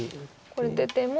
これ出ても。